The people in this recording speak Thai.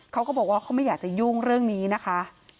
เขาก็บอกว่าเขาไม่อยากจะยุ่งเรื่องนี้นะคะ